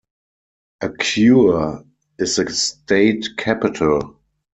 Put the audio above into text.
Akure is the state capital.